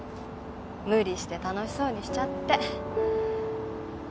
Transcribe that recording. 無理して楽しそうにしちゃって。